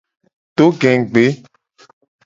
Do gegbe.